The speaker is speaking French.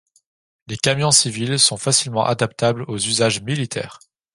Les camions civils sont facilement adaptables aux usages militaires.